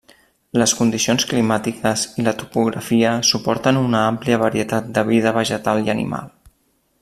Les condicions climàtiques i la topografia suporten una àmplia varietat de vida vegetal i animal.